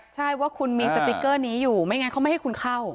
ใช่ว่าคุณมีสติ๊กเกอร์นี้อยู่ไม่งั้นเขาไม่ให้คุณเข้า